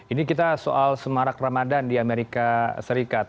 ini kita soal semarak ramadan di amerika serikat